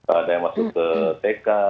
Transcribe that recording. ada yang masuk ke tk